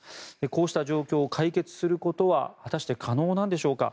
こうした状況を解決することは果たして可能なんでしょうか。